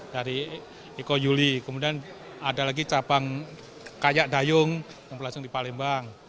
dari iko yuli kemudian ada lagi cabang kayak dayung yang berlangsung di palembang